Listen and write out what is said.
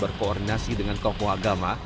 berkoordinasi dengan tokoh agama